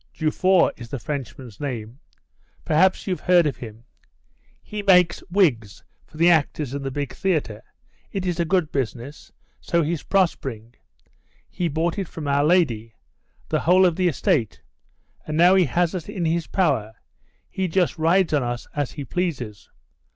"Dufour is the Frenchman's name. Perhaps you've heard of him. He makes wigs for the actors in the big theatre; it is a good business, so he's prospering. He bought it from our lady, the whole of the estate, and now he has us in his power; he just rides on us as he pleases.